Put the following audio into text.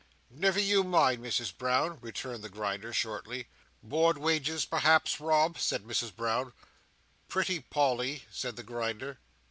"Never you mind, Misses Brown," returned the Grinder, shortly. "Board wages, perhaps, Rob?" said Mrs Brown. "Pretty Polly!" said the Grinder.